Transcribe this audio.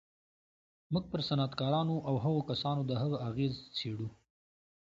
موږ پر صنعتکارانو او هغو کسانو د هغه اغېز څېړو